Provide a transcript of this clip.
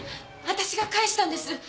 私が帰したんです。